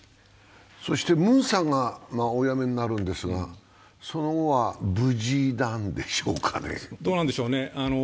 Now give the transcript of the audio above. ムンさんがお辞めになるんですが、その後は無事なんでしょうかね。